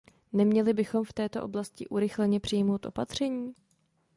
Neměli bychom v této oblasti urychleně přijmout opatření?